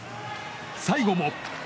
最後も。